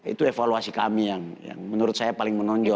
itu evaluasi kami yang menurut saya paling menonjol